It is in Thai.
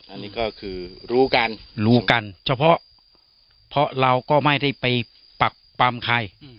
อันนี้ก็คือรู้กันรู้กันเฉพาะเพราะเราก็ไม่ได้ไปปักปำใคร